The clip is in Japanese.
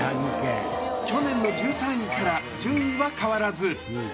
去年の１３位から順位は変わらず。